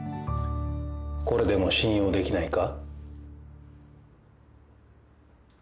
これでも信用できないか？